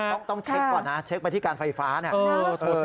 ต้องตรงสองเช็คก่อนนะมาที่การไฟฟ้าเนี่ย